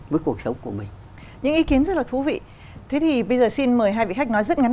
với cuộc sống của mình những ý kiến rất là thú vị thế thì bây giờ xin mời hai vị khách nói rất ngắn